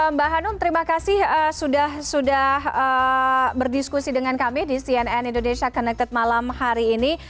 mbak hanum terima kasih sudah berdiskusi dengan kami di cnn indonesia connected malam hari ini